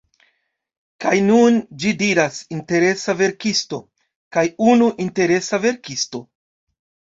Kaj nun ĝi diras "interesa verkisto" kaj "unu interesa verkisto"